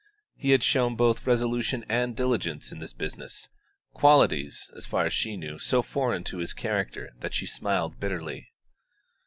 He had shown both resolution and diligence in this business qualities, as far as she knew, so foreign to his character that she smiled bitterly.